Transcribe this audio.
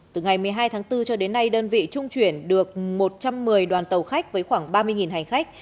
từ ngày một mươi hai tháng bốn cho đến nay đơn vị trung chuyển được một trăm một mươi đoàn tàu khách với khoảng ba mươi hành khách